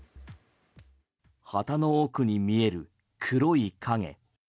旗の奥に見える黒い影。